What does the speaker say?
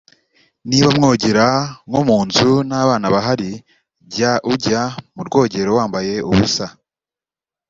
niba mwogera nko mu nzu nta bana bahari jya ujya mu rwogero wambaye ubusa